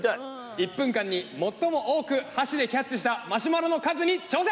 １分間に最も多く箸でキャッチしたマシュマロの数に挑戦！